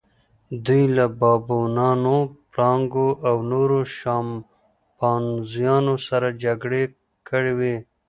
دوی له بابونانو، پړانګانو او نورو شامپانزیانو سره جګړه کوي.